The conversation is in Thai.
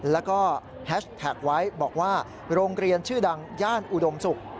แล้วก็แฮชแท็กไว้บอกว่าโรงเรียนชื่อดังย่านอุดมศุกร์